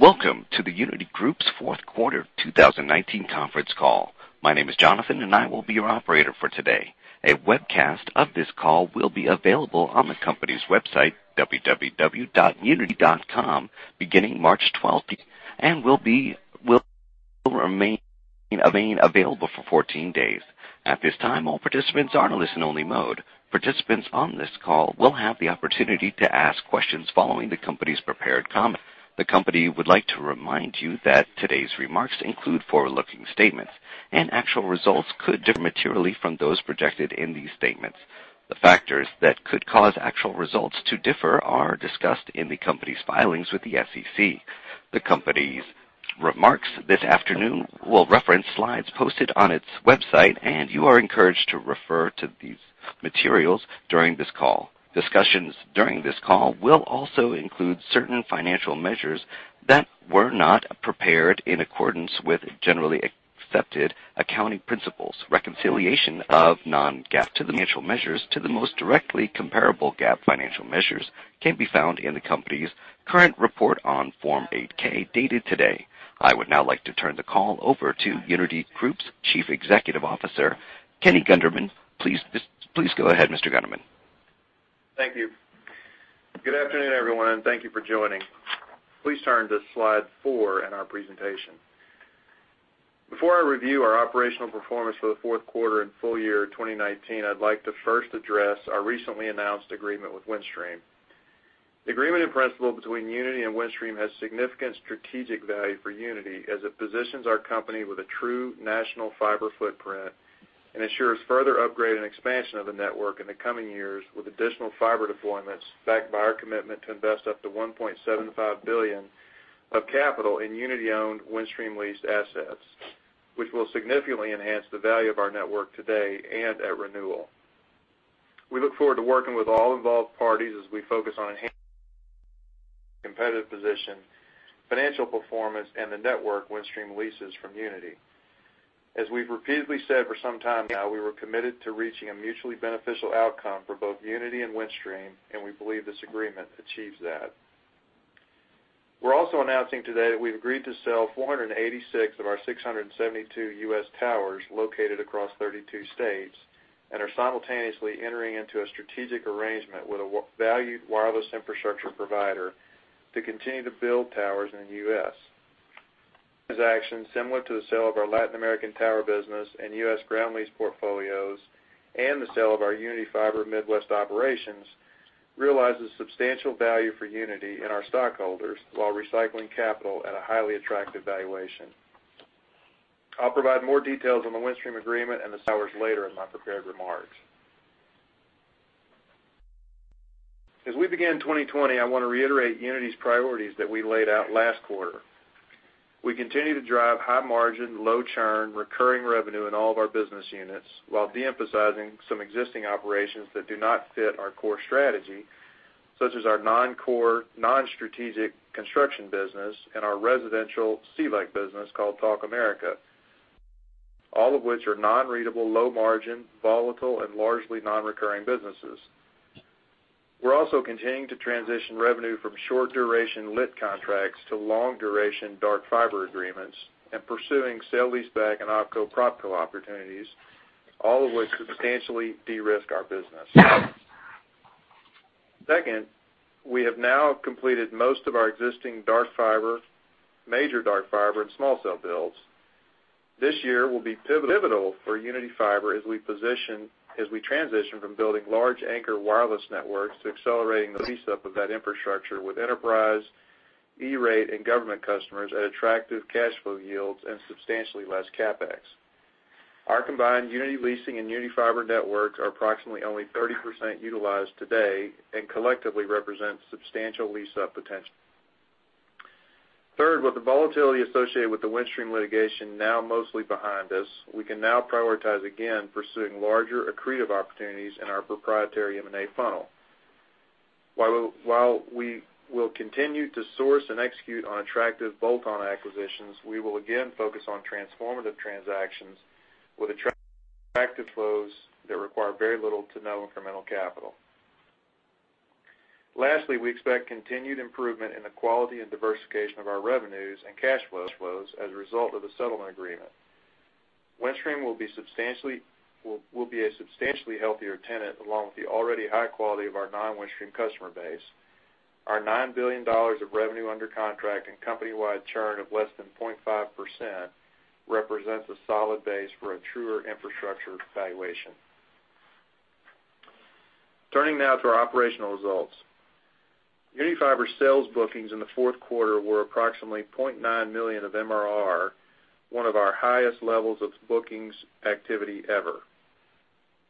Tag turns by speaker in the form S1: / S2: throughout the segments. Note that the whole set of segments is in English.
S1: Welcome to the Uniti Group's Fourth Quarter 2019 Conference Call. My name is Jonathan, and I will be your operator for today. A webcast of this call will be available on the company's website, www.uniti.com, beginning March 12th, and will remain available for 14 days. At this time, all participants are in a listen-only mode. Participants on this call will have the opportunity to ask questions following the company's prepared comments. The company would like to remind you that today's remarks include forward-looking statements, and actual results could differ materially from those projected in these statements. The factors that could cause actual results to differ are discussed in the company's filings with the SEC. The company's remarks this afternoon will reference slides posted on its website, and you are encouraged to refer to these materials during this call. Discussions during this call will also include certain financial measures that were not prepared in accordance with Generally Accepted Accounting Principles. Reconciliation of non-GAAP financial measures to the most directly comparable GAAP financial measures can be found in the company's current report on Form 8-K, dated today. I would now like to turn the call over to Uniti Group's Chief Executive Officer, Kenny Gunderman. Please go ahead, Mr. Gunderman.
S2: Thank you. Good afternoon, everyone, and thank you for joining. Please turn to slide four in our presentation. Before I review our operational performance for the fourth quarter and full year 2019, I'd like to first address our recently announced agreement with Windstream. The agreement in principle between Uniti and Windstream has significant strategic value for Uniti, as it positions our company with a true national fiber footprint and ensures further upgrade and expansion of the network in the coming years with additional fiber deployments, backed by our commitment to invest up to $1.75 billion of capital in Uniti-owned Windstream-leased assets, which will significantly enhance the value of our network today and at renewal. We look forward to working with all involved parties as we focus on enhancing competitive position, financial performance, and the network Windstream leases from Uniti. As we've repeatedly said for some time now, we were committed to reaching a mutually beneficial outcome for both Uniti and Windstream, and we believe this agreement achieves that. We're also announcing today that we've agreed to sell 486 of our 672 U.S. towers located across 32 states and are simultaneously entering into a strategic arrangement with a valued wireless infrastructure provider to continue to build towers in the U.S. This transaction, similar to the sale of our Latin American tower business and U.S. ground lease portfolios, and the sale of our Uniti Fiber Midwest operations, realizes substantial value for Uniti and our stockholders while recycling capital at a highly attractive valuation. I'll provide more details on the Windstream agreement and the sale of our towers later in my prepared remarks. As we begin 2020, I want to reiterate Uniti's priorities that we laid out last quarter. We continue to drive high margin, low churn, recurring revenue in all of our business units while de-emphasizing some existing operations that do not fit our core strategy, such as our non-core, non-strategic construction business and our residential CLEC business called Talk America, all of which are non-ratable, low margin, volatile, and largely non-recurring businesses. We're also continuing to transition revenue from short-duration lit contracts to long-duration dark fiber agreements and pursuing sale leaseback and OpCo/PropCo opportunities, all of which substantially de-risk our business. Second, we have now completed most of our existing major dark fiber and small cell builds. This year will be pivotal for Uniti Fiber as we transition from building large anchor wireless networks to accelerating the lease-up of that infrastructure with enterprise, E-Rate, and government customers at attractive cash flow yields and substantially less CapEx. Our combined Uniti Leasing and Uniti Fiber networks are approximately only 30% utilized today and collectively represent substantial lease-up potential. Third, with the volatility associated with the Windstream litigation now mostly behind us, we can now prioritize again pursuing larger accretive opportunities in our proprietary M&A funnel. While we will continue to source and execute on attractive bolt-on acquisitions, we will again focus on transformative transactions with attractive flows that require very little to no incremental capital. Lastly, we expect continued improvement in the quality and diversification of our revenues and cash flows as a result of the settlement agreement. Windstream will be a substantially healthier tenant, along with the already high quality of our non-Windstream customer base. Our $9 billion of revenue under contract and company-wide churn of less than 0.5% represents a solid base for a truer infrastructure valuation. Turning now to our operational results. Uniti Fiber sales bookings in the fourth quarter were approximately $0.9 million of MRR, one of our highest levels of bookings activity ever.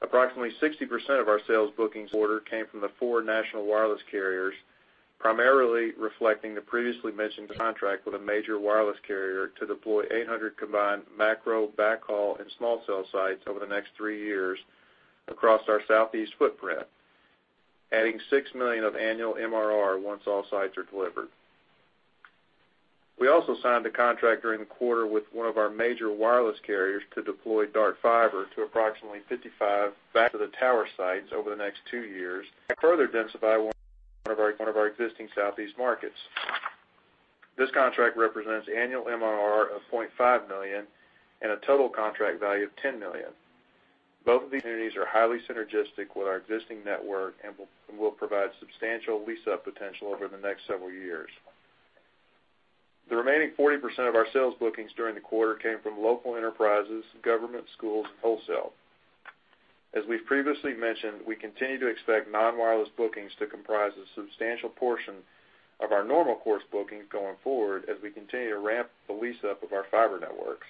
S2: Approximately 60% of our sales bookings quarter came from the four national wireless carriers, primarily reflecting the previously mentioned contract with a major wireless carrier to deploy 800 combined macro, backhaul, and small cell sites over the next three years across our Southeast footprint, adding $6 million of annual MRR once all sites are delivered. We also signed a contract during the quarter with one of our major wireless carriers to deploy dark fiber to approximately 55 back to the tower sites over the next two years, and further densify one of our existing southeast markets. This contract represents annual MRR of $0.5 million and a total contract value of $10 million. Both of these communities are highly synergistic with our existing network and will provide substantial lease-up potential over the next several years. The remaining 40% of our sales bookings during the quarter came from local enterprises, government schools, and wholesale. As we've previously mentioned, we continue to expect non-wireless bookings to comprise a substantial portion of our normal course bookings going forward as we continue to ramp the lease-up of our fiber networks.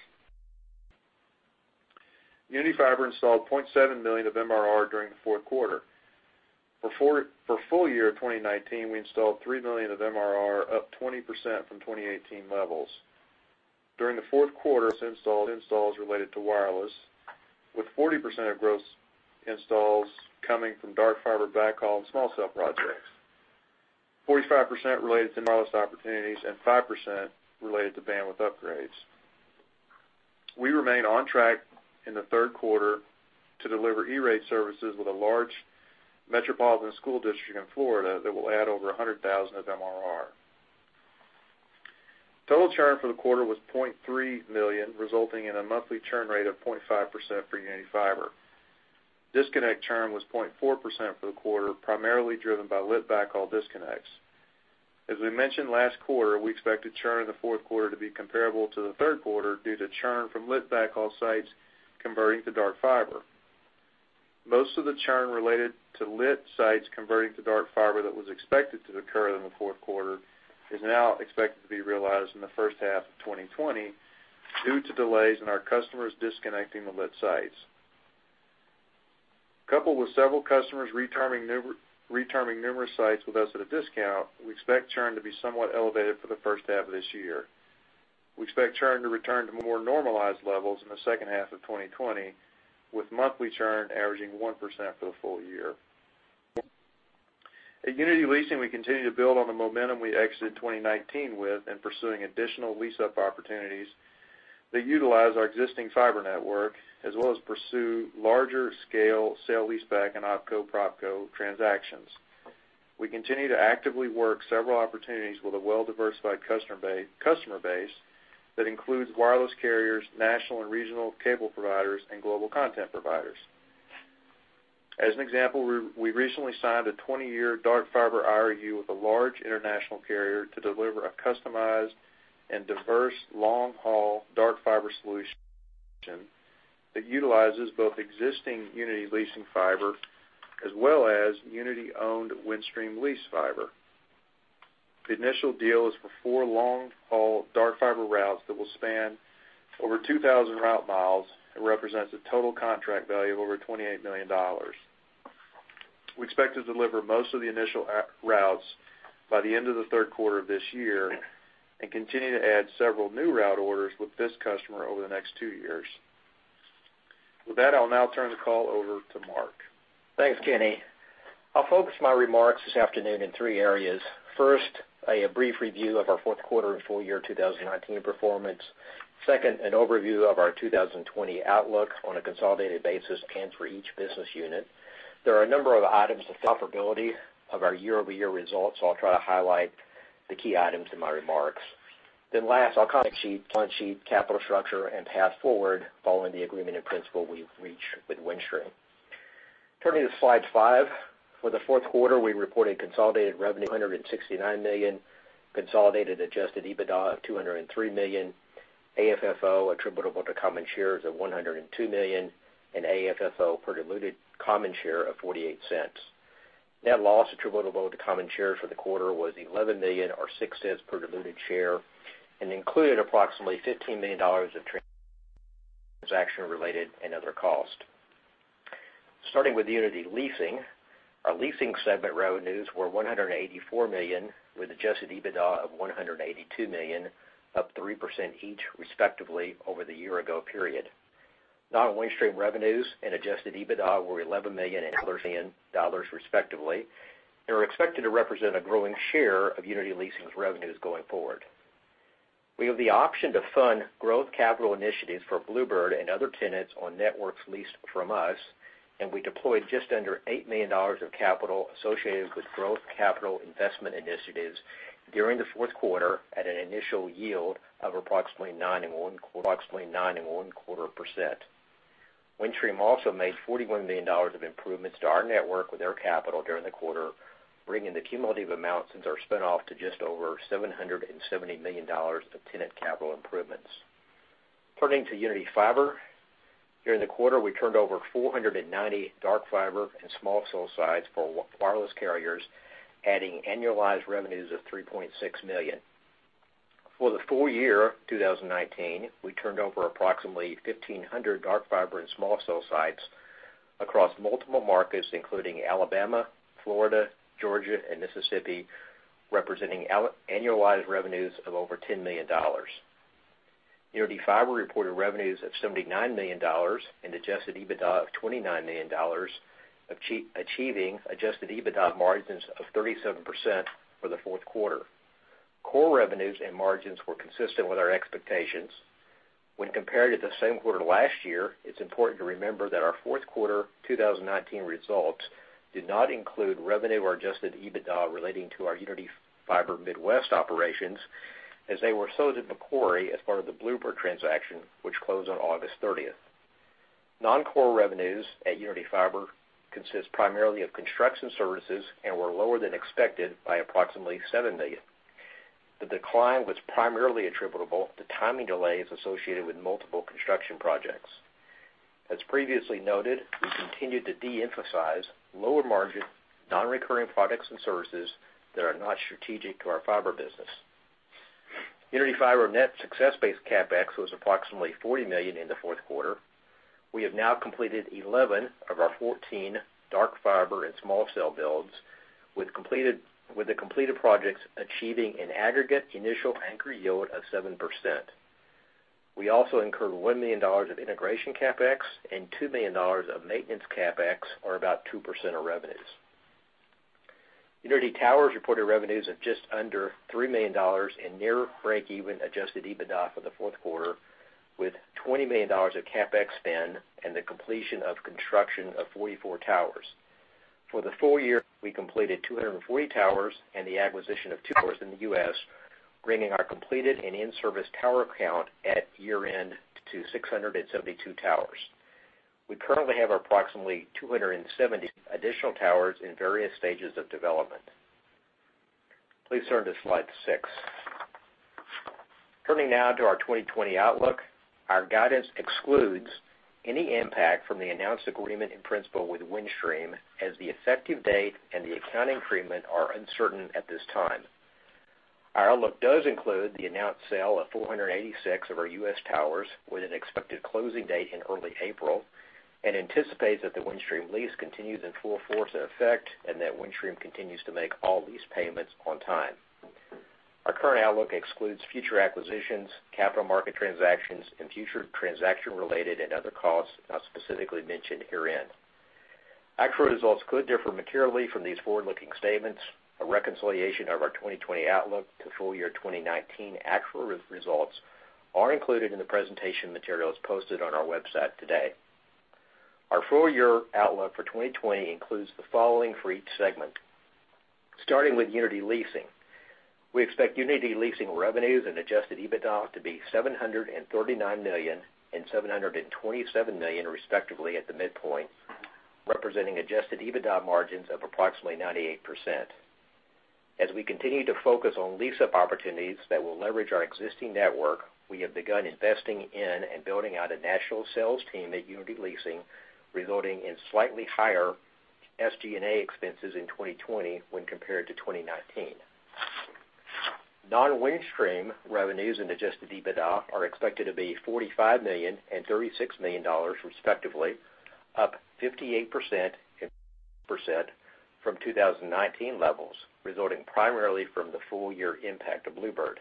S2: Uniti Fiber installed $0.7 million of MRR during the fourth quarter. For full year 2019, we installed $3 million of MRR, up 20% from 2018 levels. During the fourth quarter, installs related to wireless, with 40% of gross installs coming from dark fiber backhaul and small cell projects, 45% related to wireless opportunities, and 5% related to bandwidth upgrades. We remain on track in the third quarter to deliver E-Rate services with a large metropolitan school district in Florida that will add over $100,000 of MRR. Total churn for the quarter was $0.3 million, resulting in a monthly churn rate of 0.5% for Uniti Fiber. Disconnect churn was 0.4% for the quarter, primarily driven by lit backhaul disconnects. As we mentioned last quarter, we expected churn in the fourth quarter to be comparable to the third quarter due to churn from lit backhaul sites converting to dark fiber. Most of the churn related to lit sites converting to dark fiber that was expected to occur in the fourth quarter is now expected to be realized in the first half of 2020 due to delays in our customers disconnecting the lit sites. Coupled with several customers returning numerous sites with us at a discount, we expect churn to be somewhat elevated for the first half of this year. We expect churn to return to more normalized levels in the second half of 2020, with monthly churn averaging 1% for the full year. At Uniti Leasing, we continue to build on the momentum we exited 2019 with in pursuing additional lease-up opportunities that utilize our existing fiber network, as well as pursue larger scale sale leaseback and OpCo/PropCo transactions. We continue to actively work several opportunities with a well-diversified customer base that includes wireless carriers, national and regional cable providers, and global content providers. As an example, we recently signed a 20-year dark fiber IRU with a large international carrier to deliver a customized and diverse long-haul dark fiber solution that utilizes both existing Uniti Leasing fiber as well as Uniti-owned Windstream leased fiber. The initial deal is for four long-haul dark fiber routes that will span over 2,000 route miles and represents a total contract value of over $28 million. We expect to deliver most of the initial routes by the end of the third quarter of this year and continue to add several new route orders with this customer over the next two years. With that, I'll now turn the call over to Mark.
S3: Thanks, Kenny. I'll focus my remarks this afternoon in three areas. First, a brief review of our fourth quarter and full year 2019 performance. Second, an overview of our 2020 outlook on a consolidated basis and for each business unit. There are a number of items of comparability of our year-over-year results, I'll try to highlight the key items in my remarks. Last, I'll comment sheet, balance sheet, capital structure, and path forward following the agreement in principle we've reached with Windstream. Turning to slide five. For the fourth quarter, we reported consolidated revenue of $269 million, consolidated adjusted EBITDA of $203 million, AFFO attributable to common shares of $102 million, and AFFO per diluted common share of $0.48. Net loss attributable to common shares for the quarter was $11 million or $0.06 per diluted share, and included approximately $15 million of transaction-related and other costs. Starting with Uniti Leasing, our leasing segment revenues were $184 million, with adjusted EBITDA of $182 million, up 3% each, respectively, over the year-ago period. Non-Windstream revenues and adjusted EBITDA were $11 million and million, respectively. They are expected to represent a growing share of Uniti Leasing's revenues going forward. We have the option to fund growth capital initiatives for Bluebird and other tenants on networks leased from us. We deployed just under $8 million of capital associated with growth capital investment initiatives during the fourth quarter at an initial yield of approximately 9.25%. Windstream also made $41 million of improvements to our network with their capital during the quarter, bringing the cumulative amount since our spin off to just over $770 million of tenant capital improvements. Turning to Uniti Fiber. During the quarter, we turned over 490 dark fiber and small cell sites for wireless carriers, adding annualized revenues of $3.6 million. For the full year 2019, we turned over approximately 1,500 dark fiber and small cell sites across multiple markets, including Alabama, Florida, Georgia, and Mississippi, representing annualized revenues of over $10 million. Uniti Fiber reported revenues of $79 million and adjusted EBITDA of $29 million, achieving adjusted EBITDA margins of 37% for the fourth quarter. Core revenues and margins were consistent with our expectations. When compared to the same quarter last year, it's important to remember that our fourth quarter 2019 results did not include revenue or adjusted EBITDA relating to our Uniti Fiber Midwest operations, as they were sold to Macquarie as part of the Bluebird transaction, which closed on August 30th. Non-core revenues at Uniti Fiber consist primarily of construction services and were lower than expected by approximately $7 million. The decline was primarily attributable to timing delays associated with multiple construction projects. As previously noted, we continued to de-emphasize lower margin, non-recurring products and services that are not strategic to our fiber business. Uniti Fiber net success-based CapEx was approximately $40 million in the fourth quarter. We have now completed 11 of our 14 dark fiber and small cell builds, with the completed projects achieving an aggregate initial anchor yield of 7%. We also incurred $1 million of integration CapEx and $2 million of maintenance CapEx, or about 2% of revenues. Uniti Towers reported revenues of just under $3 million and near breakeven adjusted EBITDA for the fourth quarter, with $20 million of CapEx spend and the completion of construction of 44 towers. For the full year, we completed 240 towers and the acquisition of two towers in the U.S., bringing our completed and in-service tower count at year-end to 672 towers. We currently have approximately 270 additional towers in various stages of development. Please turn to slide six. Turning now to our 2020 outlook. Our guidance excludes any impact from the announced agreement in principle with Windstream, as the effective date and the accounting treatment are uncertain at this time. Our outlook does include the announced sale of 486 of our U.S. towers, with an expected closing date in early April, and anticipates that the Windstream lease continues in full force in effect, and that Windstream continues to make all lease payments on time. Our current outlook excludes future acquisitions, capital market transactions, and future transaction-related and other costs not specifically mentioned herein. Actual results could differ materially from these forward-looking statements. A reconciliation of our 2020 outlook to full year 2019 actual results are included in the presentation materials posted on our website today. Our full-year outlook for 2020 includes the following for each segment. Starting with Uniti Leasing, we expect Uniti Leasing revenues and adjusted EBITDA to be $739 million and $727 million respectively at the midpoint, representing adjusted EBITDA margins of approximately 98%. As we continue to focus on lease-up opportunities that will leverage our existing network, we have begun investing in and building out a national sales team at Uniti Leasing, resulting in slightly higher SG&A expenses in 2020 when compared to 2019. Non-Windstream revenues and adjusted EBITDA are expected to be $45 million and $36 million respectively, up 58% and from 2019 levels, resulting primarily from the full-year impact of Bluebird.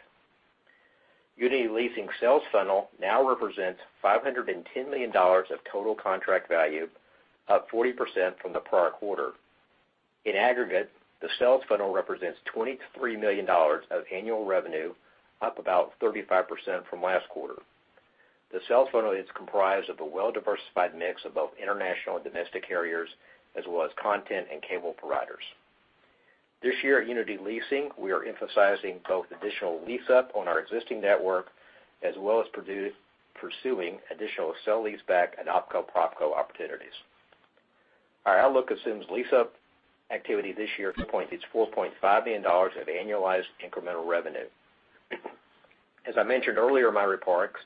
S3: Uniti Leasing sales funnel now represents $510 million of total contract value, up 40% from the prior quarter. In aggregate, the sales funnel represents $23 million of annual revenue, up about 35% from last quarter. The sales funnel is comprised of a well-diversified mix of both international and domestic carriers, as well as content and cable providers. This year at Uniti Leasing, we are emphasizing both additional lease-up on our existing network as well as pursuing additional sale leaseback and OpCo/PropCo opportunities. Our outlook assumes lease-up activity this year contributes $4.5 million of annualized incremental revenue. As I mentioned earlier in my remarks,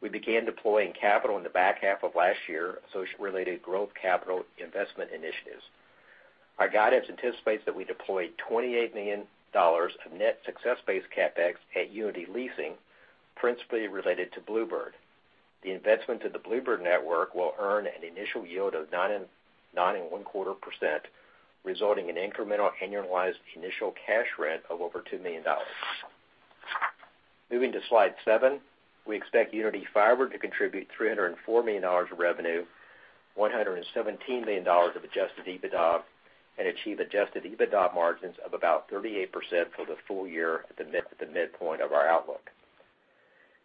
S3: we began deploying capital in the back half of last year, associated related growth capital investment initiatives. Our guidance anticipates that we deploy $28 million of net success-based CapEx at Uniti Leasing, principally related to Bluebird. The investment to the Bluebird Network will earn an initial yield of 9.25%, resulting in incremental annualized initial cash rent of over $2 million. Moving to slide seven. We expect Uniti Fiber to contribute $304 million of revenue, $117 million of adjusted EBITDA, and achieve adjusted EBITDA margins of about 38% for the full year at the midpoint of our outlook.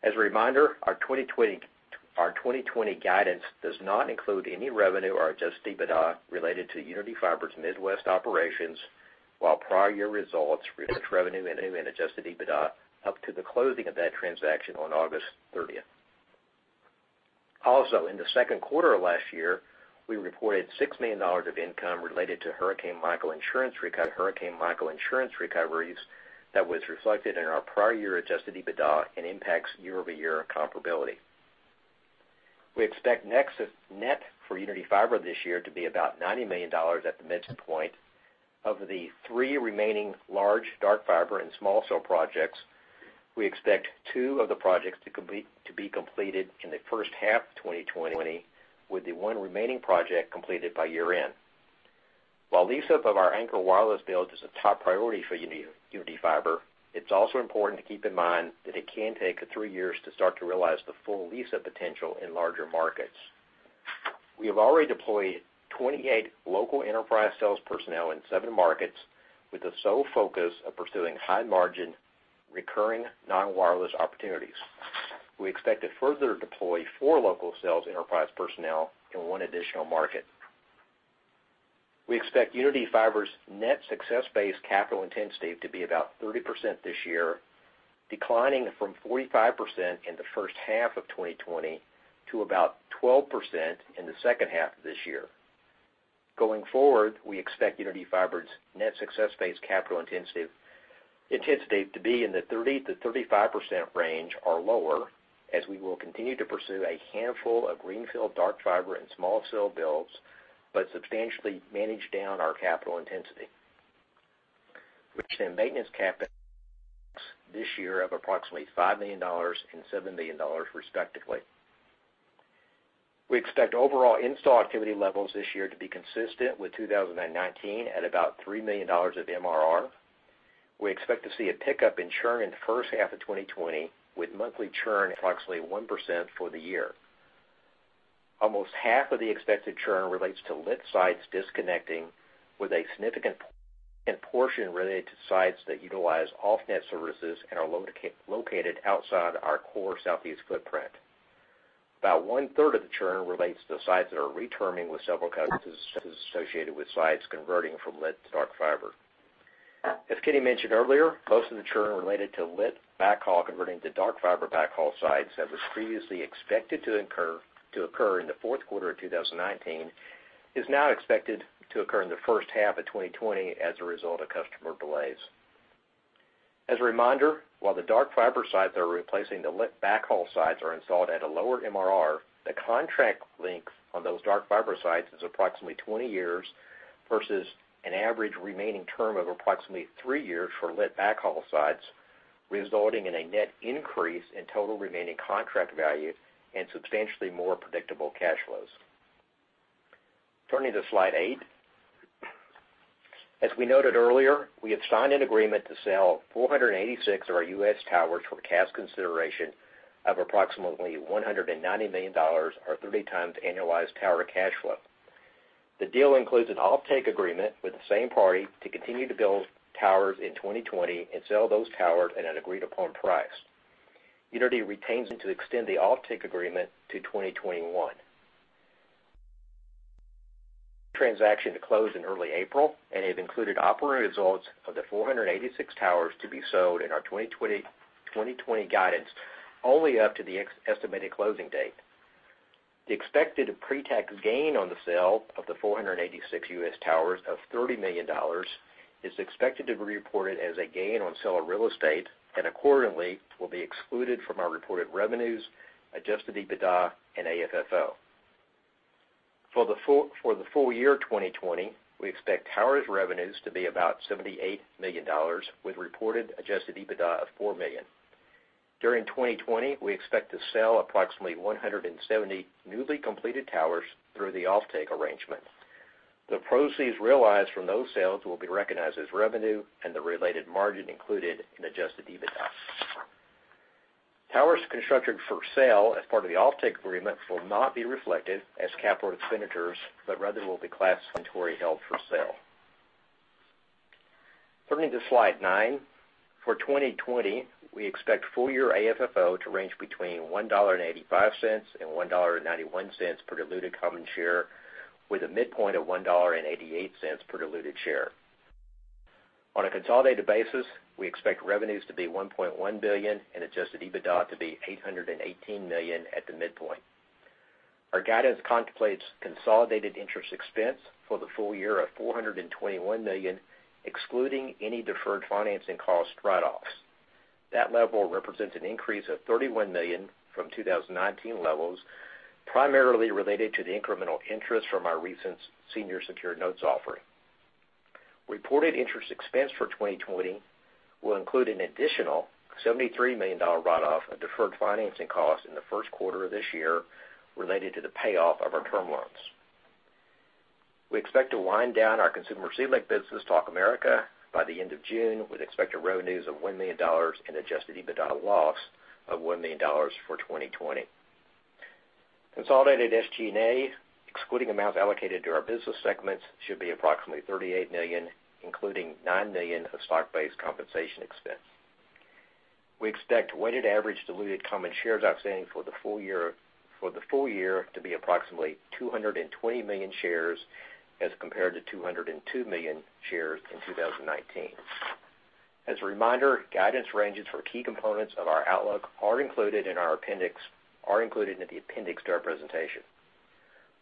S3: As a reminder, our 2020 guidance does not include any revenue or adjusted EBITDA related to Uniti Fiber Midwest operations, while prior year results include revenue and adjusted EBITDA up to the closing of that transaction on August 30th. Also, in the second quarter of last year, we reported $6 million of income related to Hurricane Michael insurance recoveries that was reflected in our prior year adjusted EBITDA and impacts year-over-year comparability. We expect net for Uniti Fiber this year to be about $90 million at the midpoint. Of the three remaining large dark fiber and small cell projects, we expect two of the projects to be completed in the first half of 2020, with the one remaining project completed by year-end. While lease-up of our anchor wireless builds is a top priority for Uniti Fiber, it's also important to keep in mind that it can take up to three years to start to realize the full lease-up potential in larger markets. We have already deployed 28 local enterprise sales personnel in seven markets with the sole focus of pursuing high-margin, recurring, non-wireless opportunities. We expect to further deploy four local sales enterprise personnel in one additional market. We expect Uniti Fiber's net success-based capital intensity to be about 30% this year, declining from 45% in the first half of 2020 to about 12% in the second half of this year. Going forward, we expect Uniti Fiber's net success-based capital intensity to be in the 30%-35% range or lower, as we will continue to pursue a handful of greenfield dark fiber and small cell builds, but substantially manage down our capital intensity. We expect maintenance CapEx this year of approximately $5 million and $7 million respectively. We expect overall install activity levels this year to be consistent with 2019 at about $3 million of MRR. We expect to see a pickup in churn in the first half of 2020, with monthly churn approximately 1% for the year. Almost half of the expected churn relates to lit sites disconnecting, with a significant portion related to sites that utilize off-net services and are located outside our core Southeast footprint. About 1/3 of the churn relates to sites that are re-terming with several customers associated with sites converting from lit to dark fiber. As Kenny mentioned earlier, most of the churn related to lit backhaul converting to dark fiber backhaul sites that was previously expected to occur in the fourth quarter of 2019 is now expected to occur in the first half of 2020 as a result of customer delays. As a reminder, while the dark fiber sites that are replacing the lit backhaul sites are installed at a lower MRR, the contract length on those dark fiber sites is approximately 20 years versus an average remaining term of approximately three years for lit backhaul sites, resulting in a net increase in total remaining contract value and substantially more predictable cash flows. Turning to slide eight. As we noted earlier, we have signed an agreement to sell 486 of our U.S. towers for cash consideration of approximately $190 million or 30x annualized tower cash flow. The deal includes an offtake agreement with the same party to continue to build towers in 2020 and sell those towers at an agreed-upon price. Uniti retains the option to extend the offtake agreement to 2021. We expect the transaction to close in early April and have included operating results of the 486 towers to be sold in our 2020 guidance only up to the estimated closing date. The expected pre-tax gain on the sale of the 486 U.S. towers of $30 million is expected to be reported as a gain on sale of real estate and accordingly, will be excluded from our reported revenues, adjusted EBITDA and AFFO. For the full year 2020, we expect towers revenues to be about $78 million with reported adjusted EBITDA of $4 million. During 2020, we expect to sell approximately 170 newly completed towers through the offtake arrangement. The proceeds realized from those sales will be recognized as revenue and the related margin included in adjusted EBITDA. Towers constructed for sale as part of the offtake agreement will not be reflected as capital expenditures, but rather will be classified as inventory held for sale. Turning to slide nine. For 2020, we expect full-year AFFO to range between $1.85 and $1.91 per diluted common share, with a midpoint of $1.88 per diluted share. On a consolidated basis, we expect revenues to be $1.1 billion and adjusted EBITDA to be $818 million at the midpoint. Our guidance contemplates consolidated interest expense for the full year of $421 million, excluding any deferred financing cost write-offs. That level represents an increase of $31 million from 2019 levels, primarily related to the incremental interest from our recent senior secured notes offering. Reported interest expense for 2020 will include an additional $73 million write-off of deferred financing costs in the first quarter of this year related to the payoff of our term loans. We expect to wind down our consumer CLEC business, Talk America, by the end of June, with expected revenues of $1 million and adjusted EBITDA loss of $1 million for 2020. Consolidated SG&A, excluding amounts allocated to our business segments, should be approximately $38 million, including $9 million of stock-based compensation expense. We expect weighted average diluted common shares outstanding for the full year to be approximately 220 million shares as compared to 202 million shares in 2019. As a reminder, guidance ranges for key components of our outlook are included in the appendix to our presentation.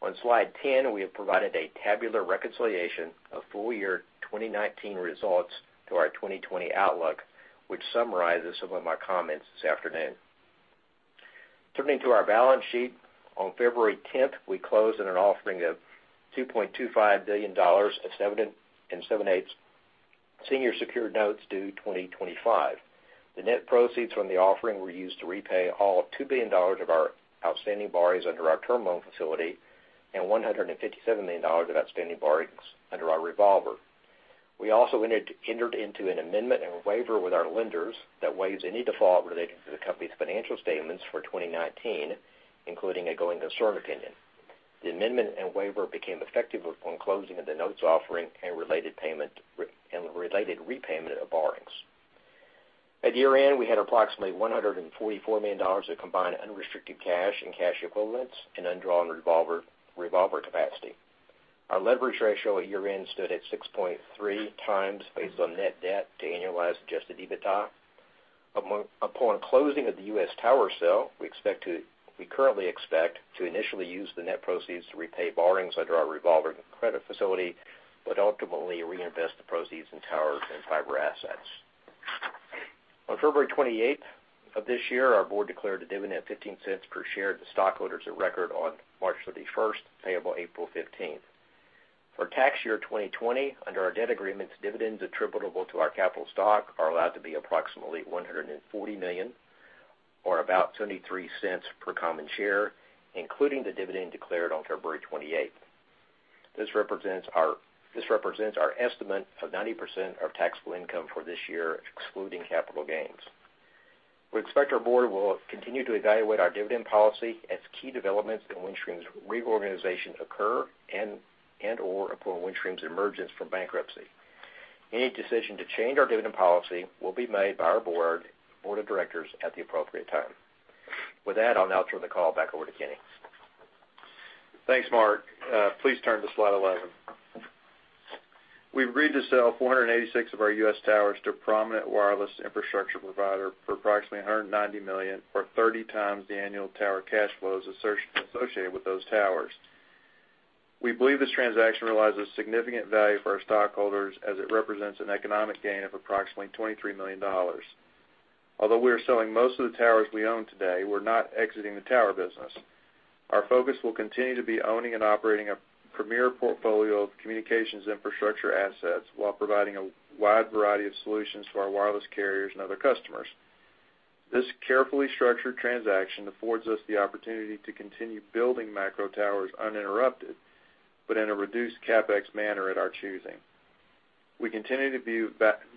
S3: On slide 10, we have provided a tabular reconciliation of full-year 2019 results to our 2020 outlook, which summarizes some of my comments this afternoon. Turning to our balance sheet. On February 10th, we closed on an offering of $2.25 billion of Senior secured notes due 2025. The net proceeds from the offering were used to repay all $2 billion of our outstanding borrowings under our term loan facility and $157 million of outstanding borrowings under our revolver. We also entered into an amendment and waiver with our lenders that waives any default related to the company's financial statements for 2019, including a going concern opinion. The amendment and waiver became effective upon closing of the notes offering and related repayment of borrowings. At year-end, we had approximately $144 million of combined unrestricted cash and cash equivalents and undrawn revolver capacity. Our leverage ratio at year-end stood at 6.3x based on net debt to annualized adjusted EBITDA. Upon closing of the U.S. tower sale, we currently expect to initially use the net proceeds to repay borrowings under our revolver credit facility, but ultimately reinvest the proceeds in tower and fiber assets. On February 28th of this year, our Board declared a dividend of $0.15 per share to stockholders of record on March 31st, payable April 15th. For tax year 2020, under our debt agreement's dividends attributable to our capital stock are allowed to be approximately $140 million, or about $0.23 per common share, including the dividend declared on February 28th. This represents our estimate of 90% of taxable income for this year, excluding capital gains. We expect our Board will continue to evaluate our dividend policy as key developments in Windstream's reorganization occur and/or upon Windstream's emergence from bankruptcy. Any decision to change our dividend policy will be made by our Board of Directors at the appropriate time. With that, I'll now turn the call back over to Kenny.
S2: Thanks, Mark. Please turn to slide 11. We've agreed to sell 486 of our U.S. towers to a prominent wireless infrastructure provider for approximately $190 million, or 30x the annual tower cash flows associated with those towers. We believe this transaction realizes significant value for our stockholders as it represents an economic gain of approximately $23 million. Although we are selling most of the towers we own today, we're not exiting the tower business. Our focus will continue to be owning and operating a premier portfolio of communications infrastructure assets while providing a wide variety of solutions for our wireless carriers and other customers. This carefully structured transaction affords us the opportunity to continue building macro towers uninterrupted, in a reduced CapEx manner at our choosing. We continue to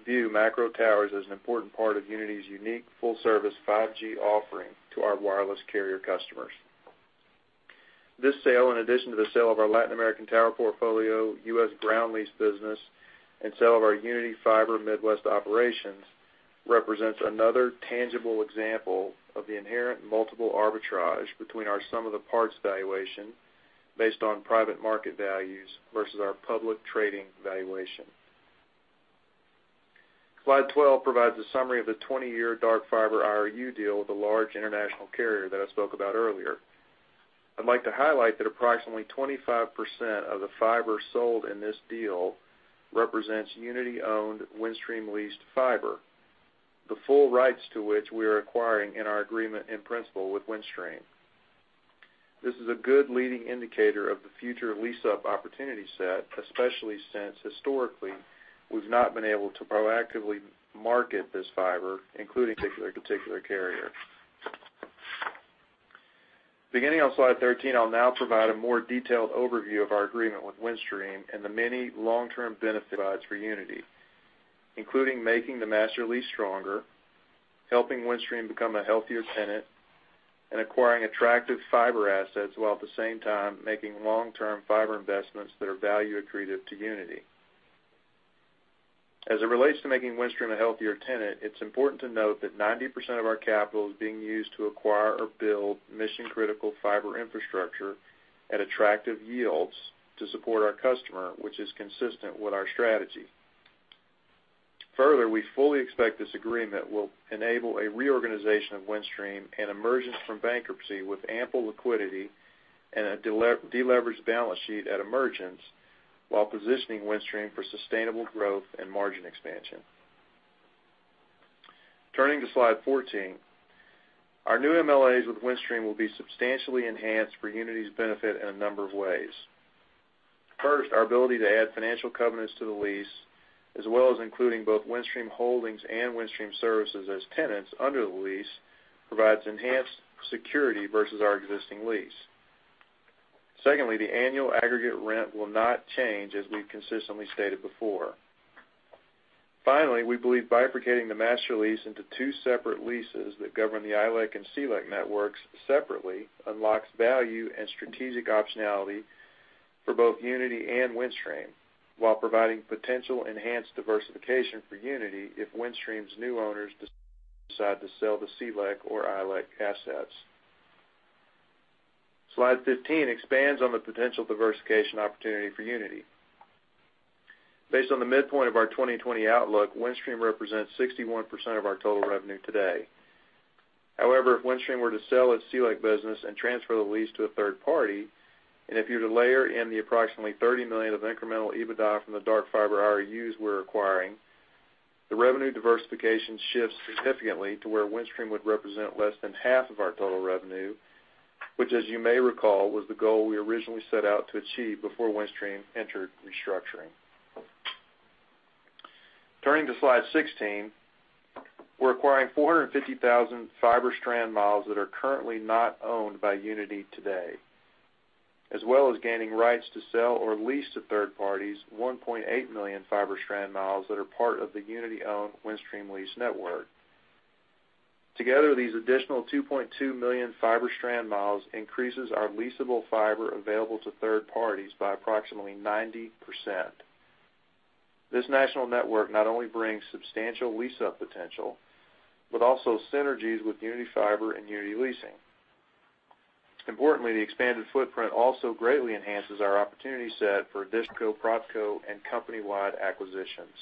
S2: view macro towers as an important part of Uniti's unique full-service 5G offering to our wireless carrier customers. This sale, in addition to the sale of our Latin American tower portfolio, U.S. ground lease business, and sale of our Uniti Fiber Midwest operations, represents another tangible example of the inherent multiple arbitrage between our sum of the parts valuation based on private market values versus our public trading valuation. Slide 12 provides a summary of the 20-year dark fiber IRU deal with a large international carrier that I spoke about earlier. I'd like to highlight that approximately 25% of the fiber sold in this deal represents Uniti-owned, Windstream-leased fiber, the full rights to which we are acquiring in our agreement in principle with Windstream. This is a good leading indicator of the future lease-up opportunity set, especially since historically, we've not been able to proactively market this fiber, including to a particular carrier. Beginning on slide 13, I'll now provide a more detailed overview of our agreement with Windstream and the many long-term benefits it provides for Uniti, including making the master lease stronger, helping Windstream become a healthier tenant, and acquiring attractive fiber assets, while at the same time making long-term fiber investments that are value accretive to Uniti. As it relates to making Windstream a healthier tenant, it's important to note that 90% of our capital is being used to acquire or build mission-critical fiber infrastructure at attractive yields to support our customer, which is consistent with our strategy. Further, we fully expect this agreement will enable a reorganization of Windstream and emergence from bankruptcy with ample liquidity and a de-leveraged balance sheet at emergence, while positioning Windstream for sustainable growth and margin expansion. Turning to slide 14, our new MLAs with Windstream will be substantially enhanced for Uniti's benefit in a number of ways. First, our ability to add financial covenants to the lease, as well as including both Windstream Holdings and Windstream Services as tenants under the lease, provides enhanced security versus our existing lease. Secondly, the annual aggregate rent will not change as we've consistently stated before. Finally, we believe bifurcating the master lease into two separate leases that govern the ILEC and CLEC networks separately unlocks value and strategic optionality for both Uniti and Windstream, while providing potential enhanced diversification for Uniti if Windstream's new owners decide to sell the CLEC or ILEC assets. Slide 15 expands on the potential diversification opportunity for Uniti. Based on the midpoint of our 2020 outlook, Windstream represents 61% of our total revenue today. If Windstream were to sell its CLEC business and transfer the lease to a third party, and if you were to layer in the approximately $30 million of incremental EBITDA from the dark fiber IRUs we're acquiring, the revenue diversification shifts significantly to where Windstream would represent less than half of our total revenue, which as you may recall, was the goal we originally set out to achieve before Windstream entered restructuring. Turning to slide 16, we're acquiring 450,000 fiber strand miles that are currently not owned by Uniti today, as well as gaining rights to sell or lease to third parties 1.8 million fiber strand miles that are part of the Uniti-owned Windstream lease network. Together, these additional 2.2 million fiber strand miles increases our leasable fiber available to third parties by approximately 90%. This national network not only brings substantial lease-up potential, but also synergies with Uniti Fiber and Uniti Leasing. Importantly, the expanded footprint also greatly enhances our opportunity set for additional and company-wide acquisitions.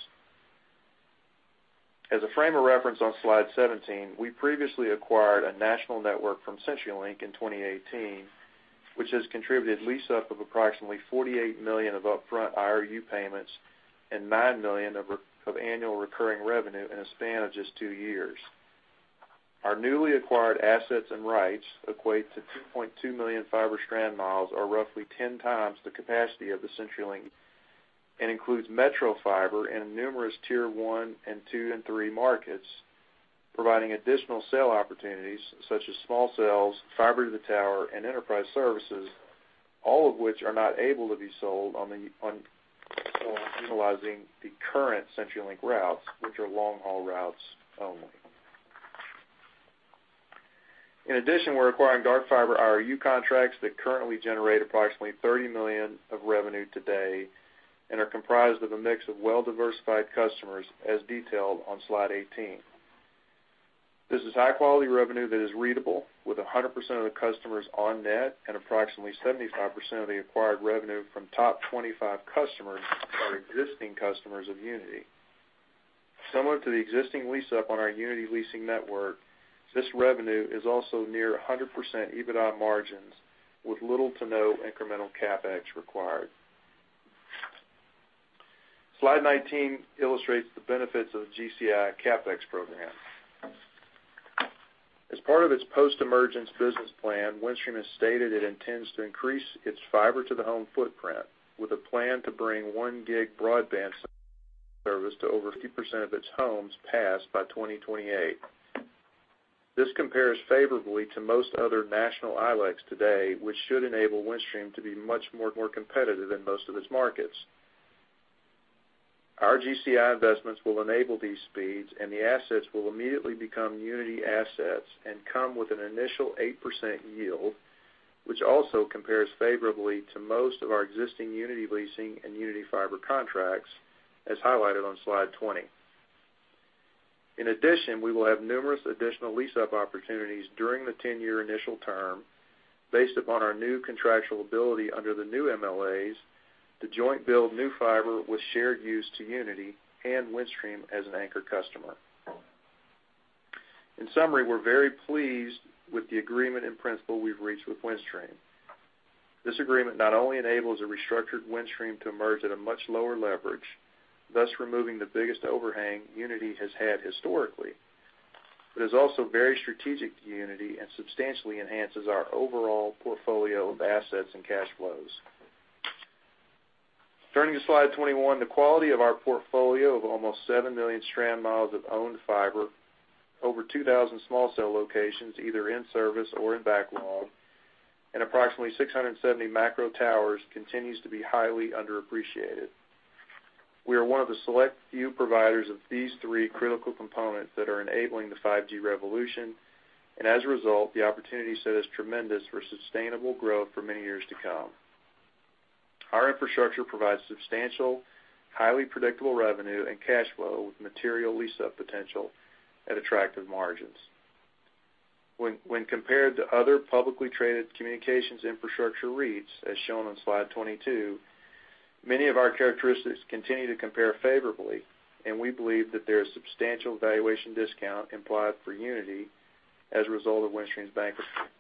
S2: As a frame of reference on slide 17, we previously acquired a national network from CenturyLink in 2018, which has contributed lease up of approximately $48 million of upfront IRU payments and $9 million of annual recurring revenue in a span of just two years. Our newly acquired assets and rights equate to 2.2 million fiber strand miles, or roughly 10 times the capacity of the CenturyLink, and includes metro fiber in numerous Tier 1 and 2 and 3 markets, providing additional sale opportunities such as small cells, fiber to the tower, and enterprise services, all of which are not able to be sold on utilizing the current CenturyLink routes, which are long-haul routes only. In addition, we're acquiring dark fiber IRU contracts that currently generate approximately $30 million of revenue today and are comprised of a mix of well-diversified customers, as detailed on slide 18. This is high-quality revenue that is ratable, with 100% of the customers on net and approximately 75% of the acquired revenue from top 25 customers are existing customers of Uniti. Similar to the existing lease-up on our Uniti Leasing network, this revenue is also near 100% EBITDA margins with little to no incremental CapEx required. Slide 19 illustrates the benefits of the GCI CapEx program. As part of its post-emergence business plan, Windstream has stated it intends to increase its fiber to the home footprint with a plan to bring 1 gig broadband service to over 50% of its homes passed by 2028. This compares favorably to most other national ILECs today, which should enable Windstream to be much more competitive in most of its markets. Our GCI investments will enable these speeds, and the assets will immediately become Uniti assets and come with an initial 8% yield, which also compares favorably to most of our existing Uniti Leasing and Uniti Fiber contracts, as highlighted on slide 20. In addition, we will have numerous additional lease-up opportunities during the 10-year initial term based upon our new contractual ability under the new MLAs to joint build new fiber with shared use to Uniti and Windstream as an anchor customer. In summary, we're very pleased with the agreement in principle we've reached with Windstream. This agreement not only enables a restructured Windstream to emerge at a much lower leverage, thus removing the biggest overhang Uniti has had historically, but is also very strategic to Uniti and substantially enhances our overall portfolio of assets and cash flows. Turning to slide 21, the quality of our portfolio of almost 7 million strand miles of owned fiber, over 2,000 small cell locations, either in service or in backlog, and approximately 670 macro towers continues to be highly underappreciated. We are one of the select few providers of these three critical components that are enabling the 5G revolution, and as a result, the opportunity set is tremendous for sustainable growth for many years to come. Our infrastructure provides substantial, highly predictable revenue and cash flow with material lease-up potential at attractive margins. When compared to other publicly traded communications infrastructure REITs, as shown on slide 22, many of our characteristics continue to compare favorably, and we believe that there is substantial valuation discount implied for Uniti as a result of Windstream's bankruptcy.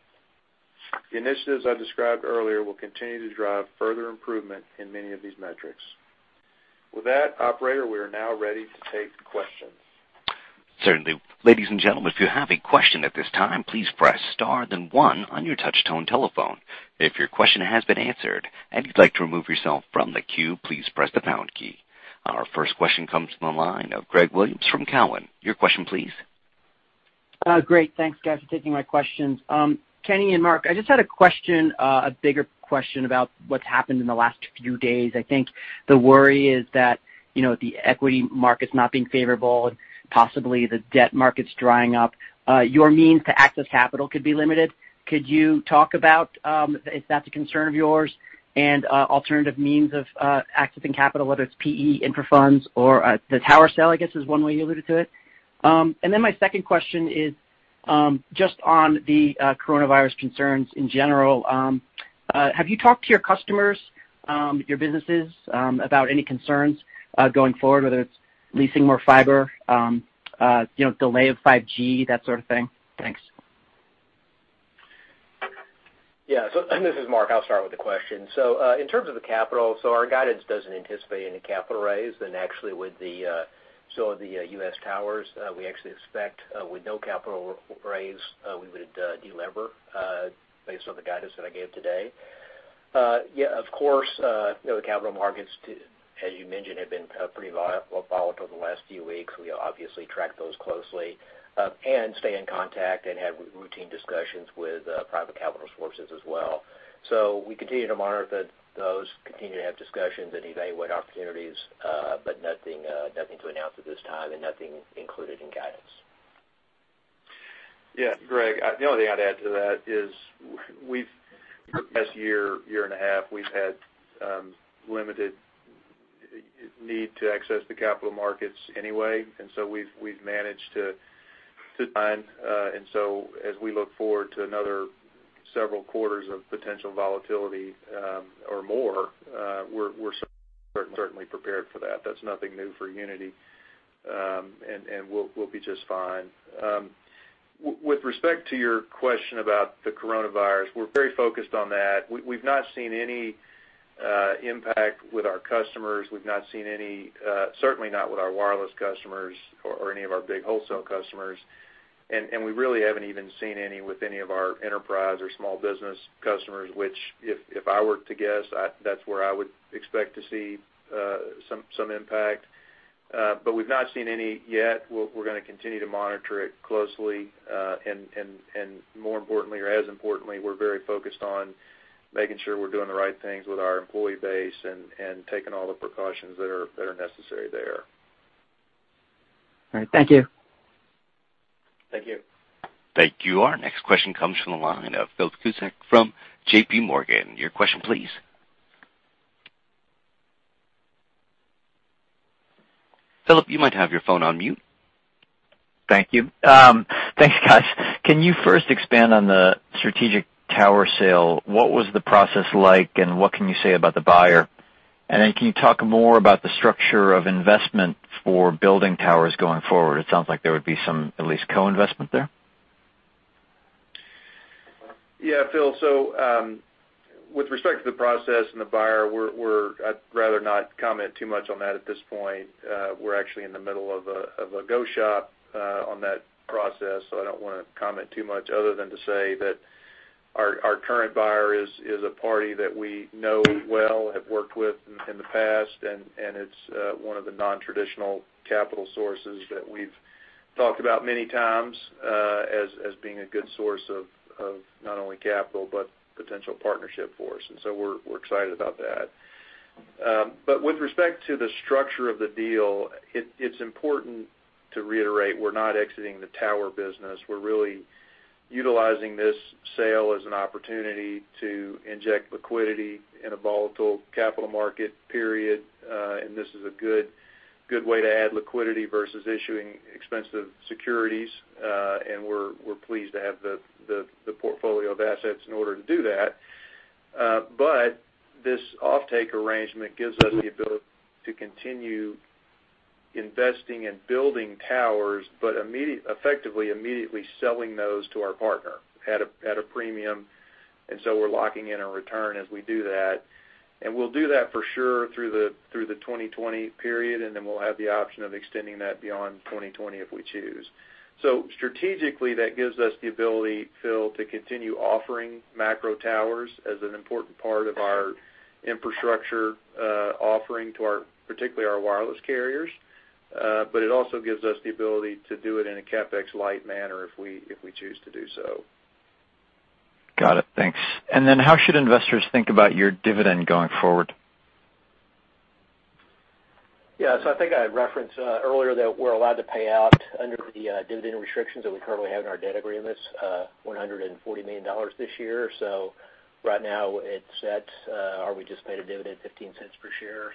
S2: The initiatives I described earlier will continue to drive further improvement in many of these metrics. With that, operator, we are now ready to take questions.
S1: Certainly. Ladies and gentlemen, if you have a question at this time, please press star then one on your touch-tone telephone. If your question has been answered and you'd like to remove yourself from the queue, please press the pound key. Our first question comes from the line of Greg Williams from Cowen. Your question, please.
S4: Great. Thanks, guys, for taking my questions. Kenny and Mark, I just had a bigger question about what's happened in the last few days. I think the worry is that the equity market's not being favorable and possibly the debt market's drying up. Your means to access capital could be limited. Could you talk about if that's a concern of yours and alternative means of accessing capital, whether it's PE infra funds or the tower sale, I guess is one way you alluded to it. My second question is just on the coronavirus concerns in general. Have you talked to your customers, your businesses, about any concerns going forward, whether it's leasing more fiber, delay of 5G, that sort of thing? Thanks.
S3: Yeah. This is Mark. I'll start with the question. In terms of the capital, our guidance doesn't anticipate any capital raise. Actually with the sale of the U.S. towers, we actually expect with no capital raise, we would de-lever based on the guidance that I gave today. Yeah, of course, the capital markets, as you mentioned, have been pretty volatile the last few weeks. We obviously track those closely and stay in contact and have routine discussions with private capital sources as well. We continue to monitor those, continue to have discussions and evaluate opportunities, but nothing to announce at this time and nothing included in guidance.
S2: Yeah, Greg, the only thing I'd add to that is for the past year and a half, we've had limited need to access the capital markets anyway. As we look forward to another several quarters of potential volatility or more, we're certainly prepared for that. That's nothing new for Uniti, and we'll be just fine. With respect to your question about the coronavirus, we're very focused on that. We've not seen any impact with our customers. We've not seen any, certainly not with our wireless customers or any of our big wholesale customers, and we really haven't even seen any with any of our enterprise or small business customers, which, if I were to guess, that's where I would expect to see some impact. We've not seen any yet. We're gonna continue to monitor it closely, and more importantly or as importantly, we're very focused on making sure we're doing the right things with our employee base and taking all the precautions that are necessary there.
S4: All right. Thank you.
S2: Thank you.
S1: Thank you. Our next question comes from the line of Philip Cusick from JPMorgan. Your question please. Philip, you might have your phone on mute.
S5: Thank you. Thanks, guys. Can you first expand on the strategic tower sale? What was the process like and what can you say about the buyer? Can you talk more about the structure of investment for building towers going forward? It sounds like there would be some at least co-investment there.
S2: Yeah, Phil. With respect to the process and the buyer, I'd rather not comment too much on that at this point. We're actually in the middle of a go shop on that process, I don't want to comment too much other than to say that our current buyer is a party that we know well, have worked with in the past, and it's one of the non-traditional capital sources that we've talked about many times as being a good source of not only capital, but potential partnership for us. We're excited about that. With respect to the structure of the deal, it's important to reiterate we're not exiting the tower business. We're really utilizing this sale as an opportunity to inject liquidity in a volatile capital market period. This is a good way to add liquidity versus issuing expensive securities, and we're pleased to have the portfolio of assets in order to do that. This offtake arrangement gives us the ability to continue investing in building towers, but effectively immediately selling those to our partner at a premium. We're locking in a return as we do that, and we'll do that for sure through the 2020 period, and then we'll have the option of extending that beyond 2020 if we choose. Strategically, that gives us the ability, Phil, to continue offering macro towers as an important part of our infrastructure offering to particularly our wireless carriers. It also gives us the ability to do it in a CapEx-light manner if we choose to do so.
S5: Got it. Thanks. How should investors think about your dividend going forward?
S3: Yeah. I think I referenced earlier that we're allowed to pay out under the dividend restrictions that we currently have in our debt agreements, $140 million this year. Right now it's set. We just paid a dividend $0.15 per share.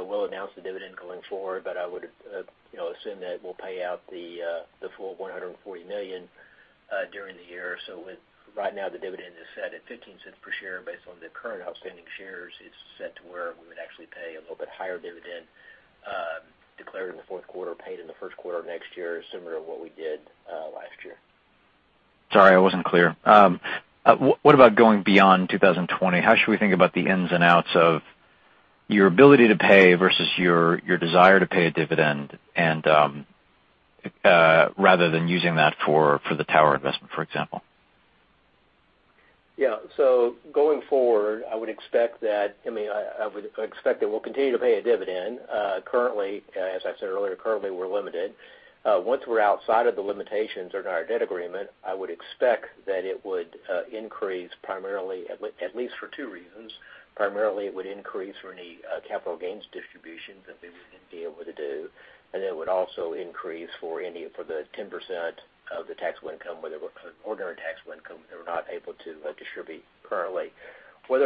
S3: We'll announce the dividend going forward, but I would assume that we'll pay out the full $140 million during the year. Right now, the dividend is set at $0.15 per share based on the current outstanding shares. It's set to where we would actually pay a little bit higher dividend, declared in the fourth quarter, paid in the first quarter of next year, similar to what we did last year.
S5: Sorry, I wasn't clear. What about going beyond 2020? How should we think about the ins and outs of your ability to pay versus your desire to pay a dividend and rather than using that for the tower investment, for example?
S3: Going forward, I would expect that we'll continue to pay a dividend. As I said earlier, currently we're limited. Once we're outside of the limitations in our debt agreement, I would expect that it would increase primarily at least for two reasons. Primarily, it would increase for any capital gains distributions that we wouldn't be able to do, and it would also increase for the 10% of the ordinary tax income that we're not able to distribute currently. In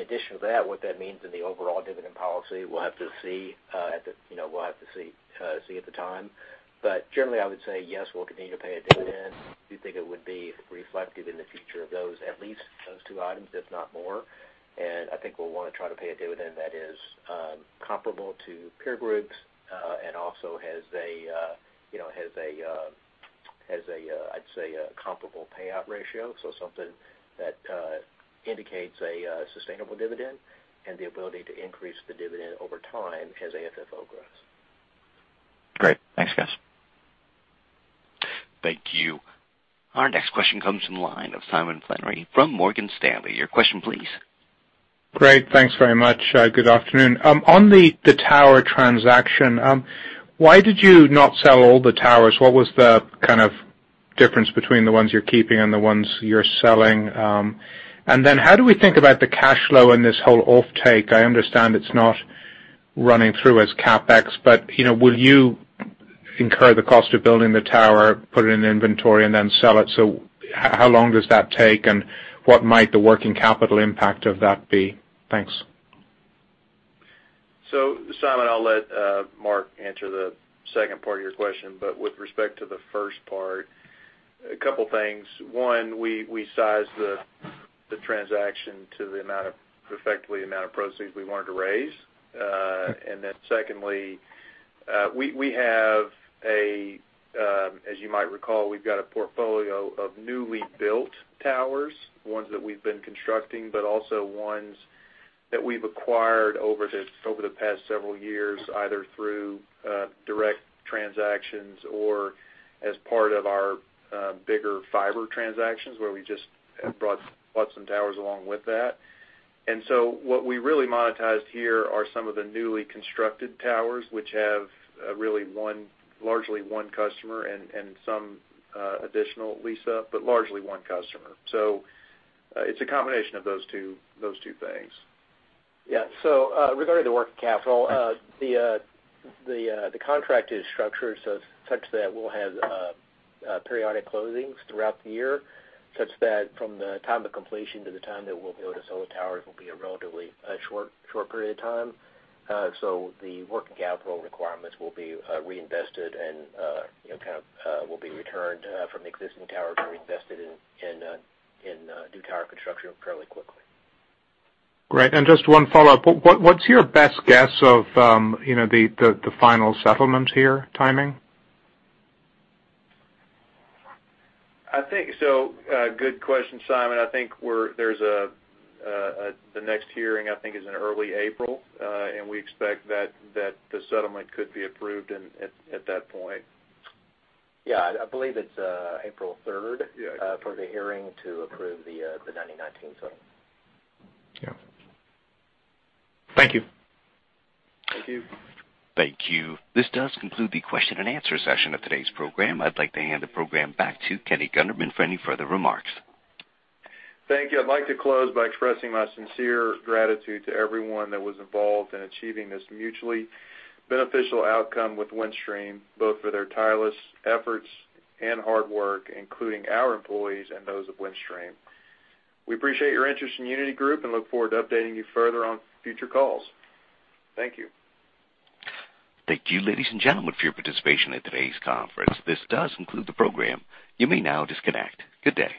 S3: addition to that, what that means in the overall dividend policy, we'll have to see at the time. Generally, I would say yes, we'll continue to pay a dividend. I do think it would be reflective in the future of at least those two items, if not more. I think we'll want to try to pay a dividend that is comparable to peer groups, and also has a, I'd say, a comparable payout ratio. Something that indicates a sustainable dividend and the ability to increase the dividend over time as AFFO grows.
S5: Great. Thanks, guys.
S1: Thank you. Our next question comes from the line of Simon Flannery from Morgan Stanley. Your question, please.
S6: Great. Thanks very much. Good afternoon. On the tower transaction, why did you not sell all the towers? What was the difference between the ones you're keeping and the ones you're selling? How do we think about the cash flow in this whole offtake? I understand it's not running through as CapEx, but will you incur the cost of building the tower, put it in inventory, and then sell it? How long does that take, and what might the working capital impact of that be? Thanks.
S2: Simon, I'll let Mark answer the second part of your question. With respect to the first part, a couple things. One, we sized the transaction to effectively the amount of proceeds we wanted to raise. Secondly, as you might recall, we've got a portfolio of newly built towers, ones that we've been constructing, but also ones that we've acquired over the past several years, either through direct transactions or as part of our bigger fiber transactions, where we just have bought some towers along with that. What we really monetized here are some of the newly constructed towers, which have really largely one customer and some additional lease-up, but largely one customer. It's a combination of those two things.
S3: Yeah. Regarding the working capital, the contract is structured such that we'll have periodic closings throughout the year, such that from the time of completion to the time that we'll be able to sell the towers will be a relatively short period of time. The working capital requirements will be reinvested and will be returned from the existing tower to be invested in new tower construction fairly quickly.
S6: Great. Just one follow-up. What's your best guess of the final settlement here, timing?
S2: Good question, Simon. The next hearing, I think, is in early April. We expect that the settlement could be approved at that point.
S3: Yeah, I believe it's April 3rd.
S2: Yeah.
S3: For the hearing to approve the 9019 Order.
S2: Yeah.
S6: Thank you.
S2: Thank you.
S1: Thank you. This does conclude the question and answer session of today's program. I would like to hand the program back to Kenny Gunderman for any further remarks.
S2: Thank you. I'd like to close by expressing my sincere gratitude to everyone that was involved in achieving this mutually beneficial outcome with Windstream, both for their tireless efforts and hard work, including our employees and those of Windstream. We appreciate your interest in Uniti Group and look forward to updating you further on future calls. Thank you.
S1: Thank you, ladies and gentlemen, for your participation in today's conference. This does conclude the program. You may now disconnect. Good day.